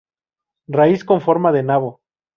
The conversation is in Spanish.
Raíz con forma de nabo.